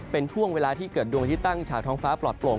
เป็นช่วงเวลาที่เกิดดวงที่ตั้งฉากท้องฟ้าปลอดโปร่ง